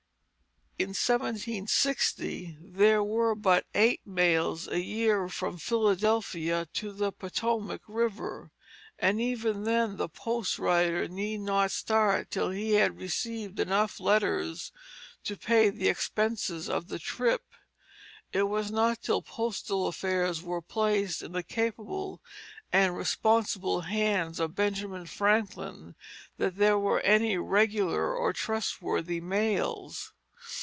In 1760 there were but eight mails a year from Philadelphia to the Potomac River, and even then the post rider need not start till he had received enough letters to pay the expenses of the trip. It was not till postal affairs were placed in the capable and responsible hands of Benjamin Franklin that there were any regular or trustworthy mails.